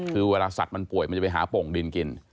คือเวลาสัตว์มันป่วยมันจะไปหาโป่งดินกิน